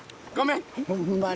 ほんまに。